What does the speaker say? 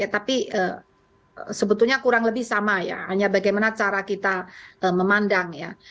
tapi sebetulnya kurang lebih sama ya hanya bagaimana cara kita memandang ya